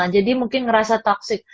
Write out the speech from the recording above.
jadi mungkin ngerasa toxic